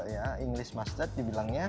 iya inggris mustard dibilangnya